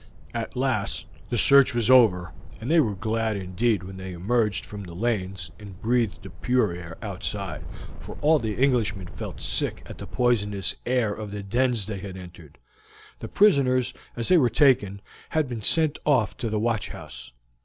At last the search was over, and they were glad indeed when they emerged from the lanes and breathed the pure air outside, for all the Englishmen felt sick at the poisonous air of the dens they had entered. The prisoners, as they were taken, had been sent off to the watch house.